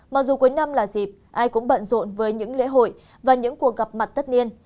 mặc dù cuối năm là dịp ai cũng bận rộn với những lễ hội và những cuộc gặp mặt tất niên